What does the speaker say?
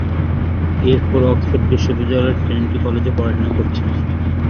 এরপর অক্সফোর্ড বিশ্ববিদ্যালয়ের ট্রিনিটি কলেজে পড়াশোনা করেছেন।